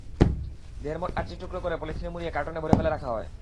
দেহের মোট আটটি টুকরো পলিথিনে মুড়িয়ে কার্টনে ভরে ফেলা রাখা হয়।